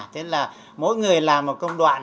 thế là mỗi người làm một công đoạn